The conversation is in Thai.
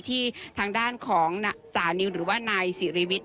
ที่ทางด้านของจานิวหรือว่านายสิริวิทย